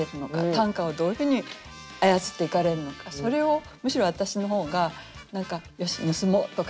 短歌をどういうふうに操っていかれるのかそれをむしろ私の方が何か「よし盗もう」とかね